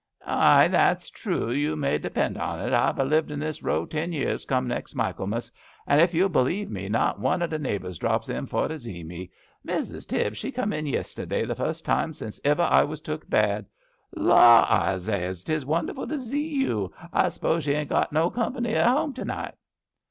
" Aye, that's true, you may depind on't. I've a lived in this row ten years come next Michaelmas, and, ef you'll believe me, not one o' the neighbours drops in for to zae me. Mrs. Tibbs, she come in yestirday, the fust time sence iver I was took bad. *La'!' I zays, *'tes wonderful to zae you; I s'pose you ain't got no comp'ny at 'ome to night.'"